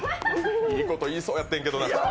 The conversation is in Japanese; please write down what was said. いいこと言いそうやったんやけどな。